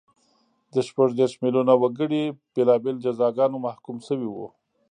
له شپږ دېرش میلیونه وګړي بېلابېلو جزاګانو محکوم شوي وو